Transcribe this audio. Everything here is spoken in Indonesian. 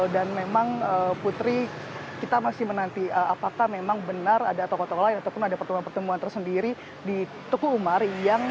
dan memang putri kita masih menanti apakah memang benar ada tokoh tokoh lain atau ada pertemuan pertemuan tersendiri di teguh umar